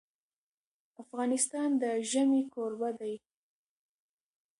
افغانستان د ژمی کوربه دی.